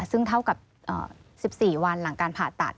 ซึ่งเท่ากับ๑๔วันหลังการผ่าตัด